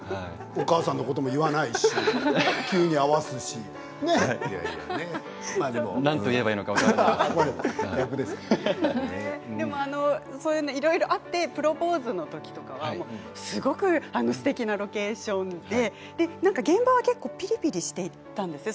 お母さんのことも何て言えばいいのかいろいろあってプロポーズの時とかすごくすてきなロケーションで現場は結構ピリピリしていたんですね。